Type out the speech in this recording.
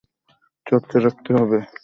চর্চা রাখতে হবে।